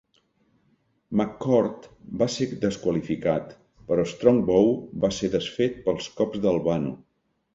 McCord va ser desqualificat, però Strongbow va ser desfet pels cops d'Albano.